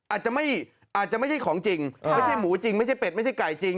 อาจจะไม่ใช่ของจริงไม่ใช่หมูจริงไม่ใช่เป็ดไม่ใช่ไก่จริง